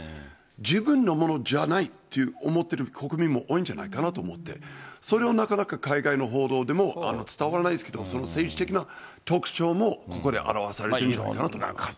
自分のものじゃないっていう、思ってる国民も多いんじゃないかなと思って、それをなかなか海外の報道でも伝わらないんですけど、政治的な特徴もここで表されてるんじゃないかなと思います。